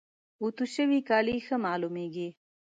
اوتو شوي کالي ښه معلوميږي.